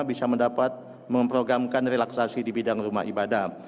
bisa mendapat memprogramkan relaksasi di bidang rumah ibadah